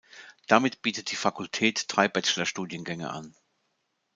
Damit bietet die Fakultät drei Bachelorstudiengänge an.